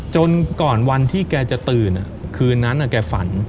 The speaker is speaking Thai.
จนก่อนวันที่แกจะตื่นคืนนั้นแกฝัน